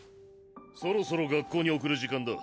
そろそろ学校に送る時間だ。